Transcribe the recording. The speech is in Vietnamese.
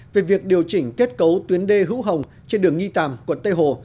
về việc điều chỉnh kết cấu tuyến đê hữu hồng trên đường nghi tàm quận tây hồ